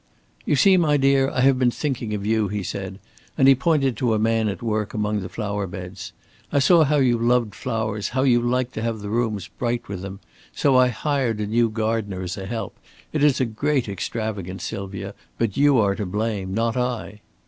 "You see, my dear, I have been thinking of you," he said, and he pointed to a man at work among the flower beds. "I saw how you loved flowers, how you liked to have the rooms bright with them. So I hired a new gardener as a help. It is a great extravagance, Sylvia, but you are to blame, not I."